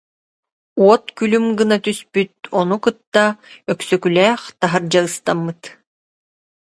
Уот күлүм гына түспүт, ону кытта Өксөкүлээх таһырдьа ыстаммыт